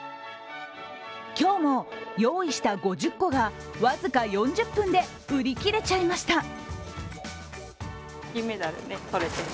今日も用意した５０個が僅か４０分で売り切れちゃいました。